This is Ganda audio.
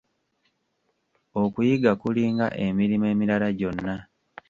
Okuyiga kulinga emirimo emirala gyonna.